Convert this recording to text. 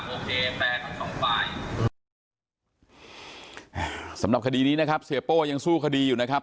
โอเคแฟนทั้งสองฝ่ายสำหรับคดีนี้นะครับเสียโป้ยังสู้คดีอยู่นะครับ